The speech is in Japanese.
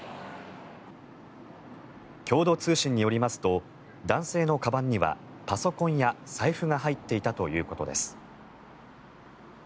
共同通信によりますと男性のかばんにはパソコンや財布が入っていたということです。